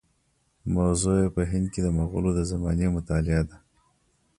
موضوع یې په هند کې د مغولو د زمانې مطالعه ده.